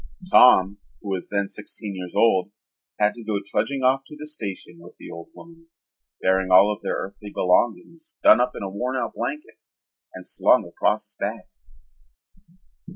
Tom, who was then sixteen years old, had to go trudging off to the station with the old woman, bearing all of their earthly belongings done up in a worn out blanket and slung across his back.